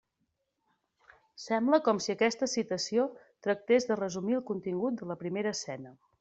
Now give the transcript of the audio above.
Sembla com si aquesta citació tractés de resumir el contingut de la primera escena.